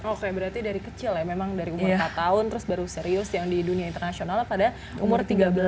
oke berarti dari kecil ya memang dari umur empat tahun terus baru serius yang di dunia internasional pada umur tiga belas